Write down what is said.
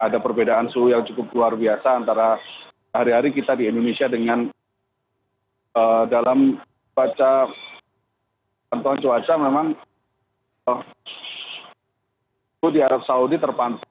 ada perbedaan suhu yang cukup luar biasa antara hari hari kita di indonesia dengan dalam baca pantauan cuaca memang di arab saudi terpantau